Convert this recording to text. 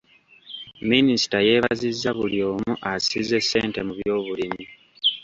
Minisita yeebazizza buli omu asize ssente mu by'obulimi.